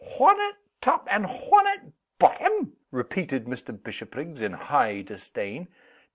"One at tap and one at bottom?" repeated Mr. Bishopriggs, in high disdain.